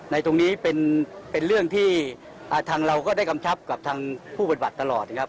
ตรงนี้เป็นเรื่องที่ทางเราก็ได้กำชับกับทางผู้ปฏิบัติตลอดนะครับ